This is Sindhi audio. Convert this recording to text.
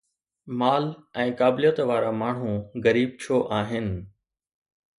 مال ۽ قابليت وارا ماڻهو غريب ڇو آهن؟